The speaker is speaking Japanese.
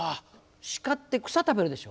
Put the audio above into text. シカって草食べるでしょ？